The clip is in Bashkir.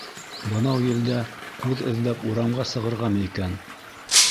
Бынау елдә ҡуҙ эҙләп урамға сығырғамы икән?